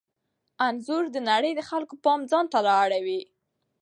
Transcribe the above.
انځور د نړۍ د خلکو پام ځانته را اړوي.